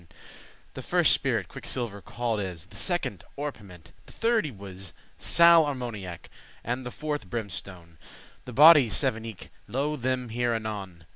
* *name The first spirit Quicksilver called is; The second Orpiment; the third, y wis, Sal Armoniac, and the fourth Brimstone. The bodies sev'n eke, lo them here anon.